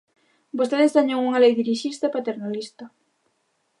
Vostedes teñen unha lei dirixista e paternalista.